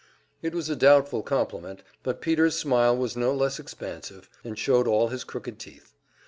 It was a doubtful compliment, but Peter's smile was no less expansive, and showed all his crooked teeth.